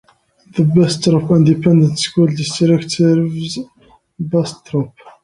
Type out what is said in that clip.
The Bastrop Independent School District serves Bastrop.